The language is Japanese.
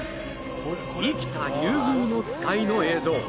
生きた「リュウグウノツカイ」の映像！